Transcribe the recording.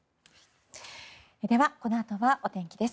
このあとはお天気です